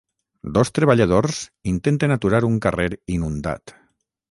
Dos treballadors intenten aturar un carrer inundat.